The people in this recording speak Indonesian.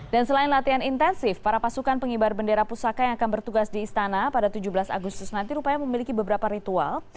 dan selain latihan intensif para pasukan penghibar bendera pusaka yang akan bertugas di istana pada tujuh belas agustus nanti rupanya memiliki beberapa ritual